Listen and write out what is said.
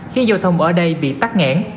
khiến giao thông ở đây bị tắt ngãn